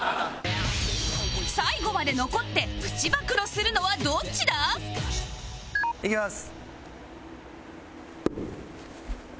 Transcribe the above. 最後まで残ってプチ暴露するのはどっちだ？いきます。